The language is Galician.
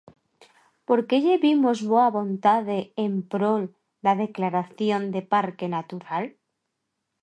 Porque lle vimos boa vontade en prol da declaración de Parque Natural.